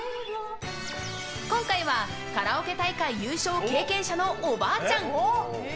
今回はカラオケ大会優勝経験者のおばあちゃん。